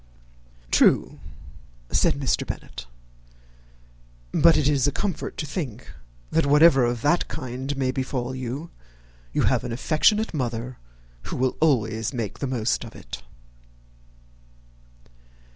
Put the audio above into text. "True," said Mr. Bennet; "but it is a comfort to think that, whatever of that kind may befall you, you have an affectionate mother who will always make the most of it."